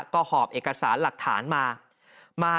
ก็หอบเอกสารหลักฐานมา